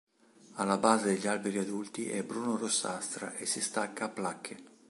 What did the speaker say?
Alla base degli alberi adulti è bruna-rossastra e si stacca a placche.